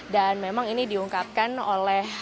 dan memang kita bisa melihatnya ini adalah gerbang tol trans jawa